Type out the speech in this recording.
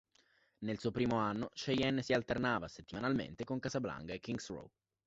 Nel suo primo anno, Cheyenne si alternava settimanalmente con "Casablanca" e "Kings Row".